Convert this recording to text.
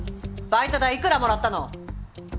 バイト代いくらもらったの！？